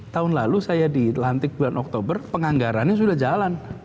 tahun lalu saya dilantik bulan oktober penganggarannya sudah jalan